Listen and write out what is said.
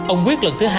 ông quyết lần thứ hai